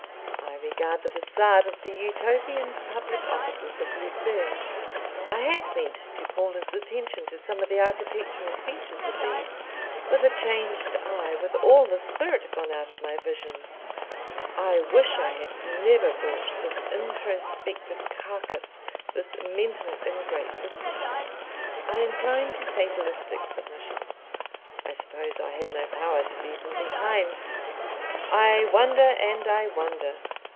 I regard the facade of the Utopian public offices of Lucerne I had meant to call his attention to some of the architectural features of these with a changed eye, with all the spirit gone out of my vision. I wish I had never brought this introspective carcass, this mental ingrate, with me. I incline to fatalistic submission. I suppose I had no power to leave him behind.... I wonder and I wonder.